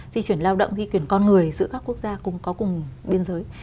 di chuyển lao động di chuyển con người giữa các quốc gia cũng có cùng biên giới